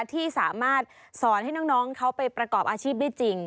ที่สามารถสอนให้น้องเขาไปประกอบอาชีพได้จริง